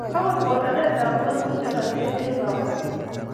Agot botanetap ngwony ko cholatet eng kobotik